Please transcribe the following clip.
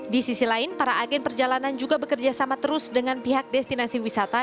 di sisi lain para agen perjalanan juga bekerja sama terus dengan pihak destinasi wisata